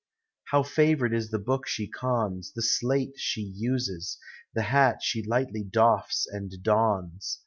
How favored is the book she cons, The slate she uses, The hat she lightly dotl's and dons.